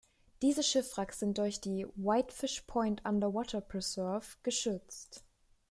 Diese Schiffswracks sind durch die "Whitefish Point Underwater Preserve" geschützt.